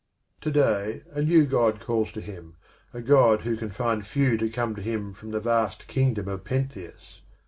To day a new God calls to him, a God who can find few to come to him from the vast kingdom of Pentheus.